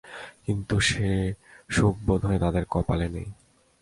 কিন্তু সে সুখ বোধহয় তাঁদের কপালে নেই।